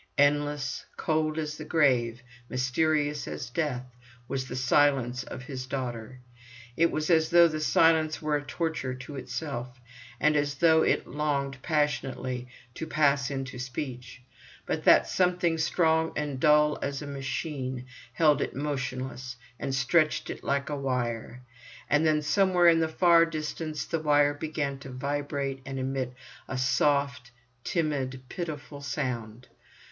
Endless, cold as the grave, mysterious as death, was the silence of his daughter. It was as though the silence were a torture to itself, and as though it longed passionately to pass into speech, but that something strong and dull as a machine, held it motionless, and stretched it like a wire. And then somewhere in the far distance, the wire began to vibrate and emit a soft, timid, pitiful sound.